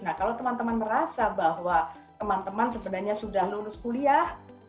nah kalau teman teman merasa bahwa teman teman sebenarnya sudah lulus kuliah